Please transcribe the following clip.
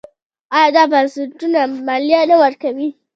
آیا دا بنسټونه مالیه نه ورکوي؟